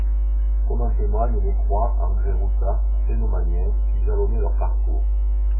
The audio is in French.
Comme en témoignent les croix en grès roussard cénomanien qui jalonnaient leur parcours.